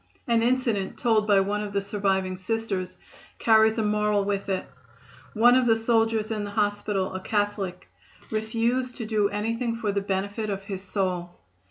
An incident told by one of the surviving Sisters carries a moral with it. One of the soldiers in the hospital, a Catholic, refused to do anything for the benefit of his soul.